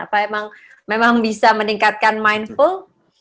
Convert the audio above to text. apa memang bisa meningkatkan mindful